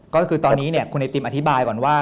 ก็คือตอนนี้คุณไอติมอธิบายก่อนว่า